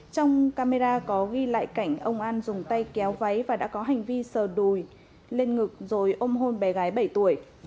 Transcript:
trong camera có ghi lại cảnh ông an dùng tay kéo váy và đã có hành vi sờ đùi lên ngực rồi ôm hôn bé gái bảy tuổi